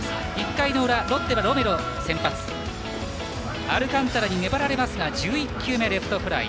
１回の裏日本ハムはロメロが先発アルカンタラに粘られますが１１球目レフトフライ